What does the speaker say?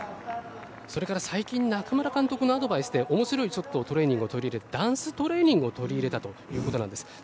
それから最近、中村監督のアドバイスで面白いトレーニングを取り入れてダンストレーニングを取り入れたということなんです。